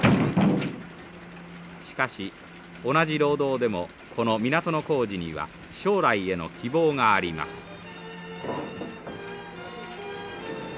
しかし同じ労働でもこの港の工事には将来への希望があります。